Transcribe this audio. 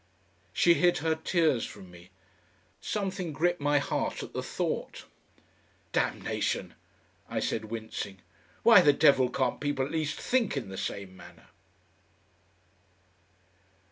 She hid her tears from me. Something gripped my heart at the thought. "Damnation!" I said wincing. "Why the devil can't people at least THINK in the same manner?"